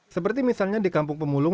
seperti misalnya di kampung pemulung